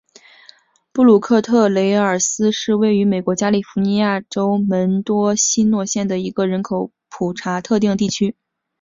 布鲁克特雷尔斯是位于美国加利福尼亚州门多西诺县的一个人口普查指定地区。